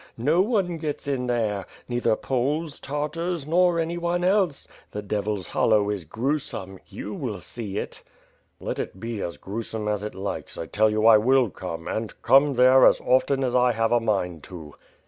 Xo one gets in there; neither Poles, Tartars, nor anyone else. The Devil's Hollow is gruesome. You will see it." "Let it be as gruesome as it likes, I tell you I will come, and come there, as often as I have a mind to."